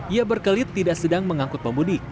ia berkelit tidak sedang mengangkut pemudik